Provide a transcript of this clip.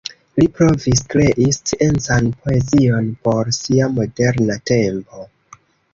Li provis krei sciencan poezion por sia moderna tempo.